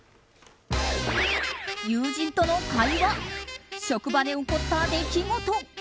友人との会話職場で起こった出来事